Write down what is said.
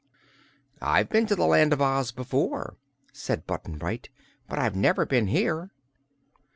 "I've been to the Land of Oz before," said Button Bright, "but I've never been here."